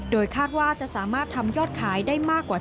โดยคาดว่าจะสามารถทำยอดขายได้มากกว่า